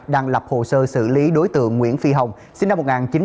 đang lập hồ sơ xử lý đối tượng nguyễn phi hồng sinh năm một nghìn chín trăm tám mươi